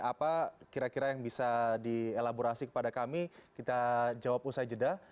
apa kira kira yang bisa dielaborasi kepada kami kita jawab usai jeda